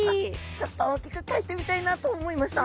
ちょっと大きく描いてみたいなと思いました。